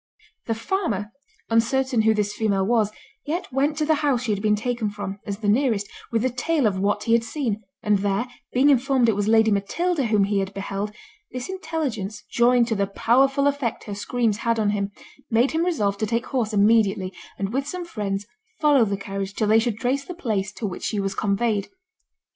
The farmer, uncertain who this female was, yet went to the house she had been taken from (as the nearest) with the tale of what he had seen; and there, being informed it was Lady Matilda whom he had beheld, this intelligence, joined to the powerful effect her screams had on him, made him resolve to take horse immediately, and with some friends, follow the carriage till they should trace the place to which she was conveyed.